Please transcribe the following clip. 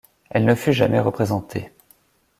Elle ne fut jamais représentée.